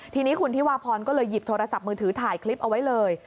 ทีนี้คุณธิวาพรก็เลยหยิบโทรศัพท์มือถือถ่ายคลิปเอาไว้เลย